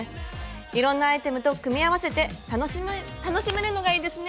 いろんなアイテムと組み合わせて楽しめるのがいいですね。